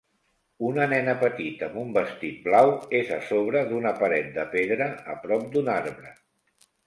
Una nena petita amb un vestit blau és a sobre d'una paret de pedra a prop d'un arbre.